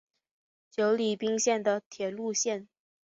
久里滨线的铁路线。